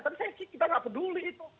tapi saya pikir kita gak peduli itu